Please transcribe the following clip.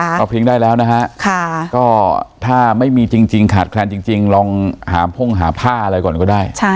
ค่ะป้าพริงได้แล้วท่าไม่มีขาดแคโกนจริงพ่นหาผ้าอะไรก่อนก็ได้